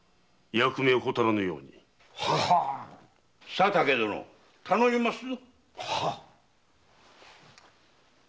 佐竹殿頼みますぞ。